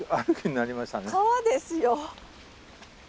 川ですよ。